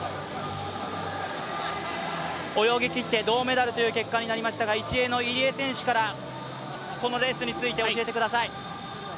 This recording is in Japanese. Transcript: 泳ぎきって銅メダルという形になりましたが、１泳の入江選手からこのレースについて教えてください。